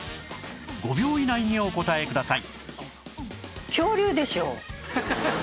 ５秒以内にお答えください